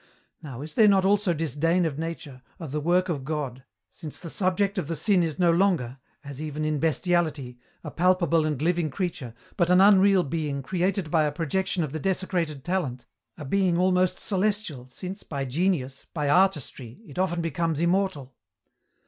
Now, is there not also disdain of nature, of the work of God, since the subject of the sin is no longer as even in bestiality a palpable and living creature, but an unreal being created by a projection of the desecrated talent, a being almost celestial, since, by genius, by artistry, it often becomes immortal?